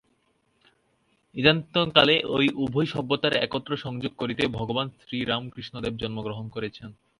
ইদানীন্তন কালে ঐ উভয় সভ্যতার একত্র সংযোগ করতেই ভগবান শ্রীরামকৃষ্ণদেব জন্মগ্রহণ করেছেন।